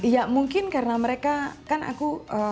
ya mungkin karena mereka kan aku